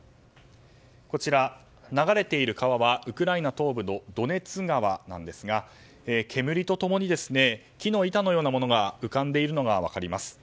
こちら、流れている川はウクライナ東部のドネツ川なんですが煙と共に、木の板のようなものが浮かんでいるのが分かります。